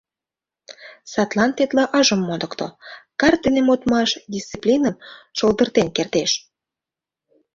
Садлан тетла ыжым модыкто — карт дене модмаш дисциплиным шолдыртен кертеш.